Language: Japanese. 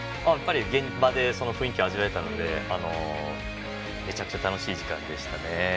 現場で雰囲気を味わえたのでめちゃくちゃ楽しい時間でしたね。